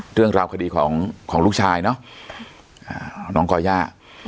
เรื่องราวคดีของของลูกชายเนอะน้องก่อย่า